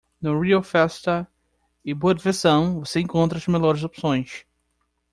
No RioFesta e Boa Diversão você encontra as melhores opções.